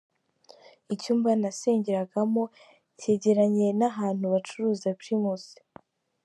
Icyumba nasengeragamo cyegeranye n’ahantu bacuruza Primus.